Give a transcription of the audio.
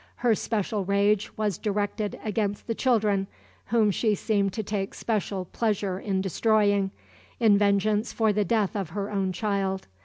Her special rage was directed against the children, whom she seemed to take special pleasure in destroying, in vengeance for the death of her own child.